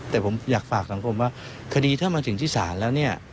แต่ผมอยากฝากสังคมว่าคดีถ้ามาถึงที่ศาลแล้วเนี่ย